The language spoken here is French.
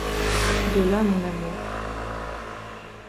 De là mon amour.